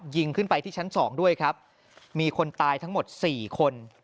ยิงขึ้นไปที่ชั้นสองด้วยครับมีคนตายทั้งหมดสี่คน